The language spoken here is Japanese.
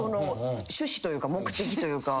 趣旨というか目的というか。